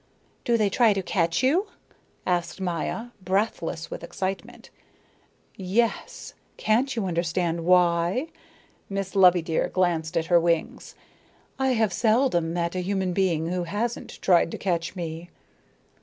"Do they try to catch you?" asked Maya, breathless with excitement. "Yes, can't you understand why?" Miss Loveydear glanced at her wings. "I have seldom met a human being who hasn't tried to catch me."